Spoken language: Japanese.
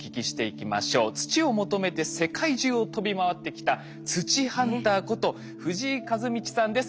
土を求めて世界中を飛び回ってきた土ハンターこと藤井一至さんです。